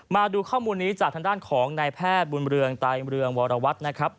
มาดูข้อมูลนี้จากทางด้านของนายแพทย์บุญเรืองไตเมืองวรวัตรนะครับ